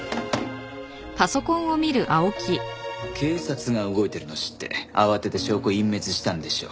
警察が動いているのを知って慌てて証拠隠滅したんでしょ。